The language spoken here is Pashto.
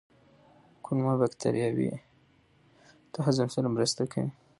کولمو بکتریاوې د هضم سره مرسته کوي.